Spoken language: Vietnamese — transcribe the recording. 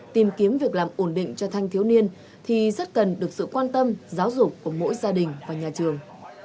tìm kiếm việc làm ổn định cho thanh thiếu niên thì rất cần được sự quan tâm giáo dục của mỗi gia đình và nhà trường